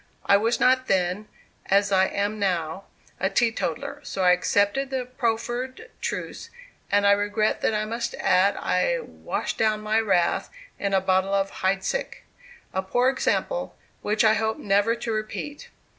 I was not then, as I am now, a teetotaler; so I accepted the proffered truce, and I regret that I must add I "washed down" my wrath in a bottle of Heidsick a poor example, which I hope never to repeat.